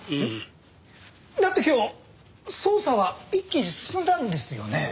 だって今日捜査は一気に進んだんですよね？